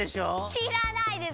しらないです。